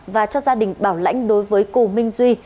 và cho gia đình bảo lãnh đối với cù minh duy